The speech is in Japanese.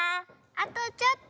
あとちょっと。